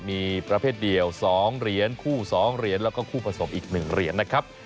มีประเภทเดียว๒เหรียญคู่๒เหรียญแล้วก็คู่ผสมอีก๑เหรียญนะครับ